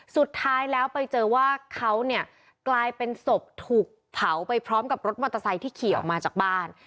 สุดท้ายแล้วไปเจอว่าเขาเนี่ยกลายเป็นศพถูกเผาไปพร้อมกับรถมอเตอร์ไซค์ที่ขี่ออกมาจากบ้าน